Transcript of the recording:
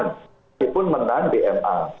itu pun menang bma